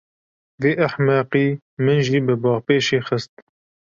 Vî ehmeqî min jî bi bapêşê xist.